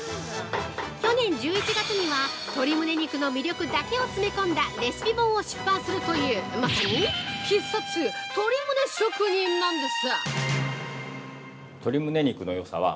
去年１１月には、鶏むね肉の魅力だけを詰め込んだレシピ本を出版するという、まさに「必殺鶏むね職人」なんです。